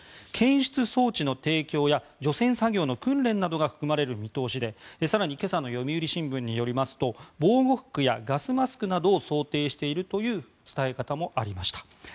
検出装置の提供や除染作業の訓練などが含まれる見通しで更に今朝の読売新聞によりますと防護服やガスマスクなどを想定しているという伝え方もありました。